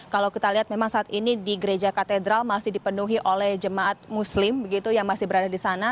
kalau kita lihat memang saat ini di gereja katedral masih dipenuhi oleh jemaat muslim yang masih berada di sana